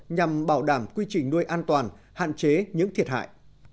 nhằm bảo đảm quy trình nuôi an toàn hạn chế những thiệt hại